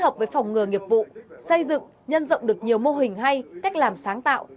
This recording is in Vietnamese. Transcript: phòng ngừa nghiệp vụ xây dựng nhân rộng được nhiều mô hình hay cách làm sáng tạo